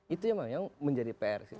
itu yang menjadi pr